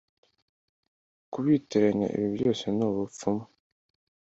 Ku bitiranya ibi byose n’ubupfumu